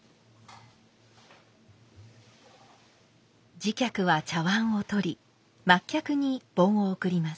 次客は茶碗を取り末客に盆を送ります。